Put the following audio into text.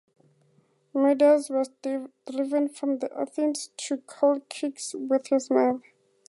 Medus was driven from Athens to Colchis with his mother.